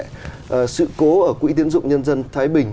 và sự cố ở quỹ tín dụng nhân dân thái bình